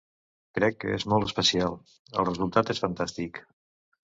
Crec que és molt especial... el resultat és fantàstic.